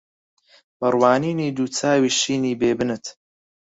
بە ڕوانینی دوو چاوی شینی بێ بنت